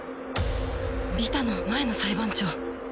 リタの前の裁判長！？